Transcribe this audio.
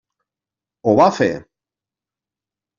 Ho va fer.